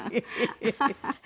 ハハハハ！